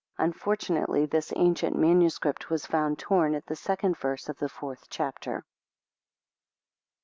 Unfortunately this ancient MS. was found torn at the second verse of the fourth chapter.